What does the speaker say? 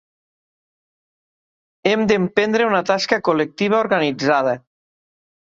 Hem d'emprendre una tasca col·lectiva organitzada.